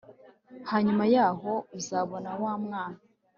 Hanyuma yaho uzabona wa mwana